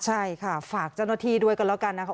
ใช่ค่ะฝากเจ้านที่ด้วยกระเราะ